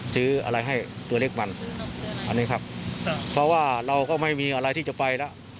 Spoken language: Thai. ซื้ออะไรให้ตัวเล็กมันอันนี้ครับเพราะว่าเราก็ไม่มีอะไรที่จะไปแล้ว